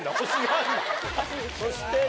そして。